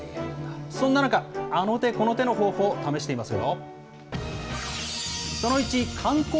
そんな中、あの手この手の方法、試していますよ。